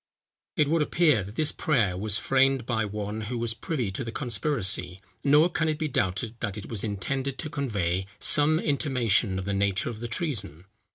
It would appear that this prayer was framed by one who was privy to the conspiracy; nor can it be doubted that it was intended to convey some intimation of the nature of the treason.